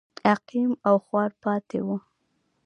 عقیم او خوار پاتې و.